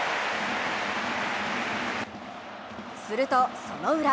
すると、そのウラ。